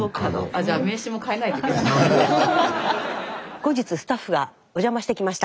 後日スタッフがお邪魔してきました。